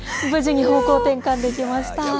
無事に方向転換できました。